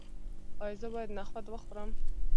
ایا زه باید نخود وخورم؟